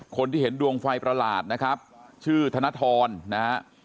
คนที่เห็นดวงไฟประหลาดนะครับชื่อธนทรนะฮะ